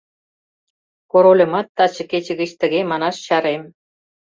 — Корольымат таче кече гыч тыге манаш чарем.